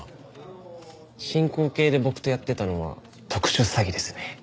進行形で僕とやってたのは特殊詐欺ですね。